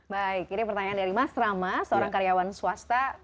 baik ini pertanyaan dari mas rama seorang karyawan swasta